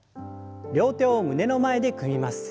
両手を胸の前で組みます。